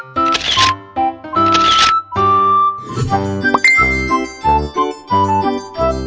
มีออนาคมชื่อกอด